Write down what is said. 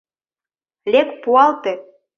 Лек, пуалте!